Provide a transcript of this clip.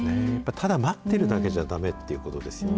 ただ待っているだけじゃだめっていうことですよね。